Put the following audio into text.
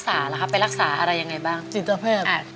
สามีก็ต้องพาเราไปขับรถเล่นดูแลเราเป็นอย่างดีตลอดสี่ปีที่ผ่านมา